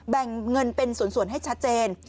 แบ่งเงินเป็นส่วนให้ชัดเจน